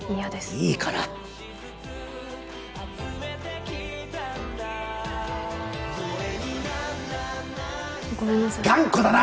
いいからごめんなさい頑固だな！